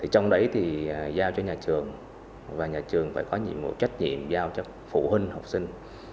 trong đấy thì giao cho nhà trường và nhà trường phải có nhiệm vụ trách nhiệm giao cho phụ huynh học sinh